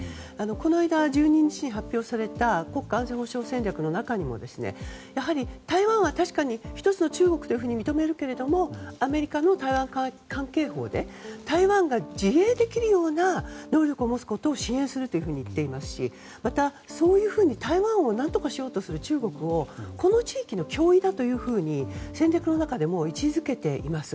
この間、１２日に発表された国家安全保障戦略の中にも台湾は一つの中国と認めるけどアメリカの台湾関係法で台湾が自衛できるような能力を持つことを支援するといっていますしまたそういうふうに台湾を何とかしようとする中国をこの地域の脅威だと戦略の中で位置付けています。